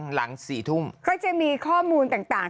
หลัง๔ทุ่มก็จะมีข้อมูลต่าง